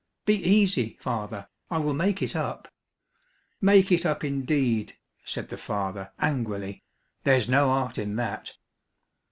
"Be easy, father, I will make it up." "Make it up indeed," said the father angrily, "there's no art in that."